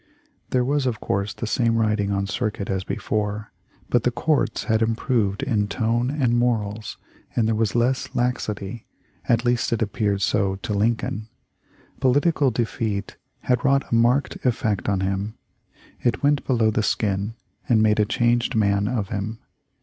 There was of course the same riding on circuit as before, but the courts had improved in tone and morals, and there was less laxity — at least it appeared so to Lincoln. Political defeat had wrought a marked effect on him. It went below the skin and made a changed man of him.